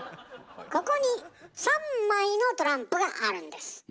ここに３枚のトランプがあるんです。